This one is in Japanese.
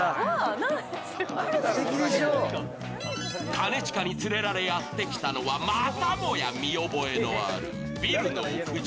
兼近に連れられやってきたのは、またもや見覚えのあるビルの屋上。